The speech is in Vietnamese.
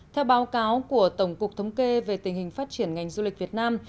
theo báo cáo của tổng cục thống kê về tình hình phát triển ngành du lịch việt nam